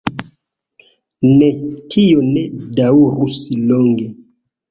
Ne, tio ne daŭrus longe.